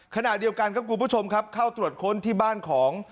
ขณะเดียวกันครับคุณผู้ชมครับเข้าตรวจค้นที่บ้านของ